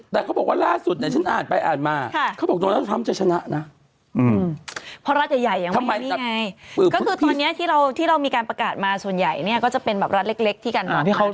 แต่ตอนนี้ที่เรามีการประกาศมาส่วนใหญ่เนี่ยก็จะเป็นแบบรัฐเล็กที่กัน